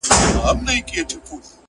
کلونه کيږي چي ولاړه يې روانه نه يې ـ